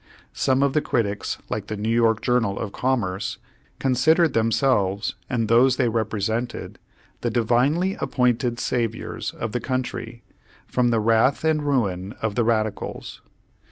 Some of the critics like the New York Journal of Commerce, considered themselves, and those they repre sented, the divinely appointed saviors of the country, from the wrath and ruin of the radicals.